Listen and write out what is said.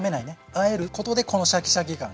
あえることでこのシャキシャキ感が。